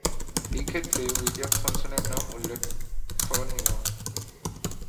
এই ক্ষেত্রে উইলিয়াম থমসনের নাম উল্লেখনীয়।